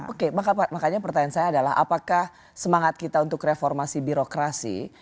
oke makanya pertanyaan saya adalah apakah semangat kita untuk reformasi birokrasi